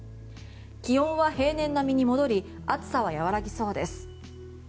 気温は平年並みに戻り暑さは和らぎそうです。